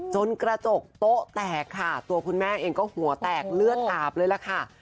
กระจกโต๊ะแตกค่ะตัวคุณแม่เองก็หัวแตกเลือดอาบเลยล่ะค่ะ